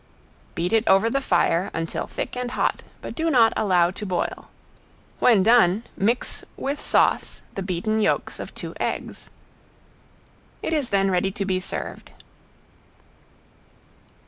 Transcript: Beat it over the fire until thick and hot, but do not allow to boil. When done mix with sauce the beaten yolks of two eggs. It is then ready to be served.